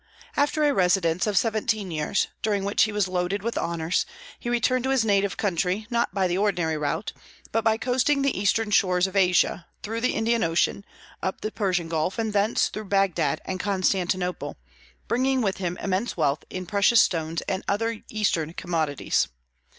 After a residence of seventeen years, during which he was loaded with honors, he returned to his native country, not by the ordinary route, but by coasting the eastern shores of Asia, through the Indian Ocean, up the Persian Gulf, and thence through Bagdad and Constantinople, bringing with him immense wealth in precious stones and other Eastern commodities.